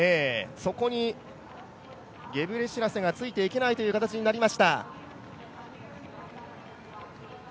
そこにゲブレシラセがついていけないという形になりました。